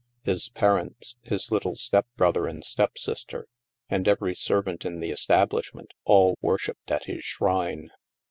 His parents, his little stepbrother and stepsister, and every servant in the establish ment, all worshipped at his shrine.